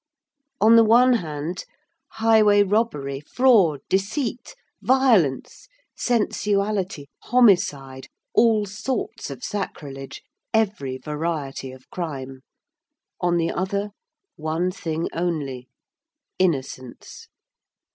On the one hand, highway robbery, fraud, deceit, violence, sensuality, homicide, all sorts of sacrilege, every variety of crime; on the other, one thing only, innocence.